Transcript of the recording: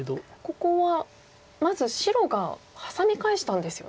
ここはまず白がハサミ返したんですよね。